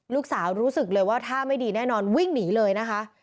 รู้สึกเลยว่าท่าไม่ดีแน่นอนวิ่งหนีเลยนะคะ